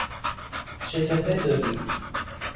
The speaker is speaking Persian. شرکتهای دارویی